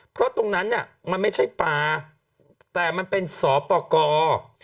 เพราะตรงนั้นเนี่ยมันไม่ใช่ปลาแต่มันเป็นสอปกร